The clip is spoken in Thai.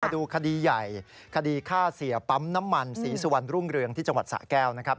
ดูคดีใหญ่คดีฆ่าเสียปั๊มน้ำมันศรีสุวรรณรุ่งเรืองที่จังหวัดสะแก้วนะครับ